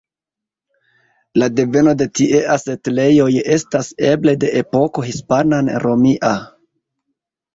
La deveno de tiea setlejoj estas eble de epoko hispan-romia.